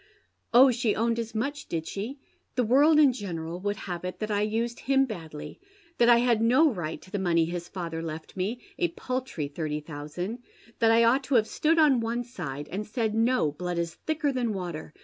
" Oh, slie owned as much, did she ? The world in general would have it that I used him badly, that I had no riglit to tho money his father left me — a paltry thirty thousand ; that I ought ♦.o have stood on one side and said, ' No, blood is thicker than cvater.